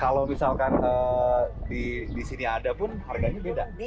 kalau misalkan di sini ada pun harganya beda